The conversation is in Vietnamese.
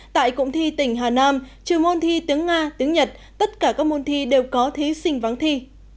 tại cụng thi tỉnh hà nam trừ môn thi tiếng nga tiếng nhật tất cả các môn thi đều có thí sinh vắng thi